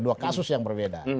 dua kasus yang berbeda